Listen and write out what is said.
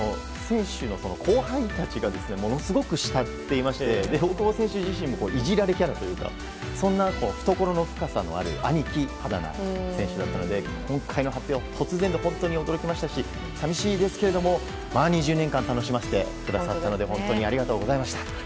後輩たちがものすごく慕っていまして大久保選手自身もいじられキャラというか懐の深さもある兄貴だったので今回の発表は突然で本当に驚きましたし寂しいですけれども２０年間楽しませてくださったので本当にありがとうございました。